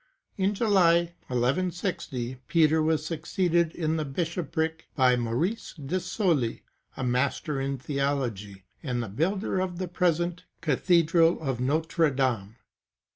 ^ In July, 1 1 60, Peter was succeeded in the bishopric by Maurice de Sully, a Master in Theology, and the builder of the present Cathedral of Notre Dame.